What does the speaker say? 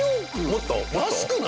もっと？